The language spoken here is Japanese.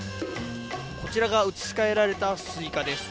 こちらが移し替えられたスイカです。